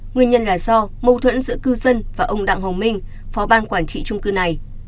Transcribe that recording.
nguyên nhân là do mâu thuẫn giữa cư dân và ông đặng hồng minh phó ban quản trị trung cư này